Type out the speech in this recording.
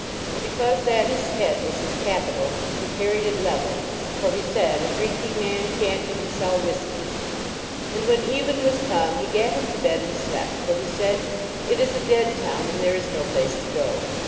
And because that his head was his capital he carried it level, for he said, "A drinking man can t even sell whisky." And when even was come he gat him to bed and slept. For he said: "It is a dead town and there is no place to go."